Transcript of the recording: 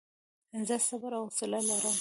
زه صبر او حوصله لرم.